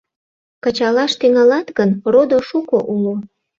Кычалаш тӱҥалат гын, родо шуко уло